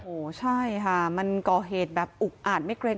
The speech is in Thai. โหใช่ค่ะมันก่อเหตุแบบอุ๊คอาจไม่เคลียร์